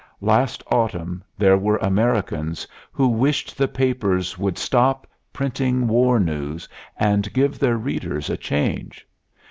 Last autumn there were Americans who wished the papers would stop printing war news and give their readers a change.